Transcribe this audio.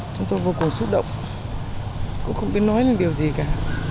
chúng tôi vô cùng xúc động cũng không biết nói lên điều gì cả